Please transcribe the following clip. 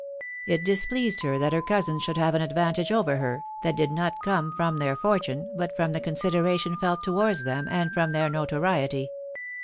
It displeased her that her cousins should have an ad vantage over her, that did not come from their fortune, but from the consideration felt towards them and from their notoriety.